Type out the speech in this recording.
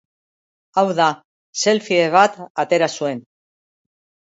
Hau da, selfie bat atera zuen.